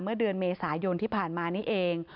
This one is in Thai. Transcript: เมื่อเดือนเมษายนที่ผ่านมานี่เอง